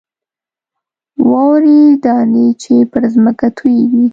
واورې دانې چې پر ځمکه تویېږي.